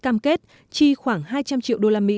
cam kết chi khoảng hai trăm linh triệu usd